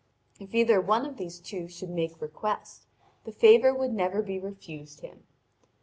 If either one of these two should make request, the favour would never be refused him.